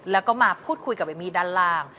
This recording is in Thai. แล้วก็มาพูดคุยกับเอมมี่ด้านล่าง